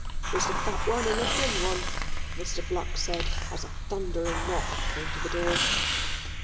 "It's a fat one and a thin one," Mr. Bluck said as a thundering knock came to the door.